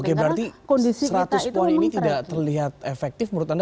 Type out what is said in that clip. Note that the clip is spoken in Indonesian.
oke berarti seratus poin ini tidak terlihat efektif menurut anda